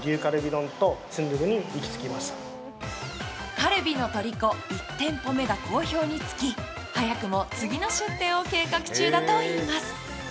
カルビのとりこ１点目が好評につき、早くも次の出店を計画中だといいます。